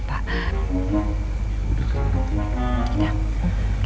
udah kena nanti